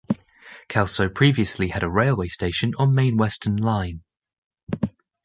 Kelso previously had a railway station on the Main Western line.